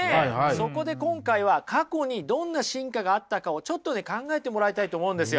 そこで今回は過去にどんな進化があったかをちょっとね考えてもらいたいと思うんですよ。